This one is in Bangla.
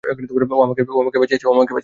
ও আমাকে বাঁচিয়েছে।